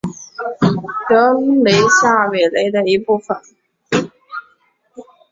德雷下韦雷的一部分。